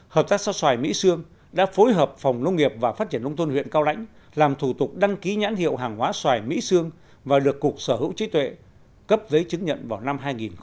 hợp tác xã xoài mỹ sương đã phối hợp phòng nông nghiệp và phát triển nông tôn huyện cao lãnh làm thủ tục đăng ký nhãn hiệu hàng hóa xoài mỹ sương và được cục sở hữu trí tuệ cấp giấy chứng nhận vào năm hai nghìn một mươi